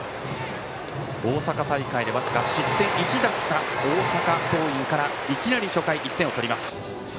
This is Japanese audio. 大阪大会で僅か失点１だった大阪桐蔭からいきなり初回、１点を取ります。